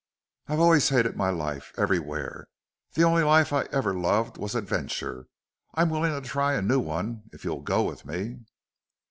"I've always hated my life, everywhere. The only life I ever loved was adventure.... I'm willing to try a new one, if you'll go with me."